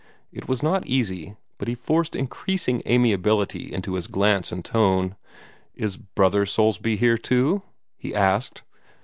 It was not easy, but he forced increasing amiability into his glance and tone. "Is Brother Soulsby here, too?" he asked.